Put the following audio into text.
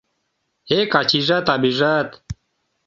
Эк, ачийжат-авийжат!..